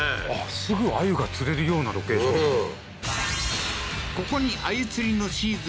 すぐ鮎が釣れるようなロケーション